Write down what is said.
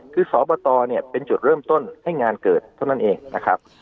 คือสอบตเนี่ยเป็นจุดเริ่มต้นให้งานเกิดเท่านั้นเองนะครับ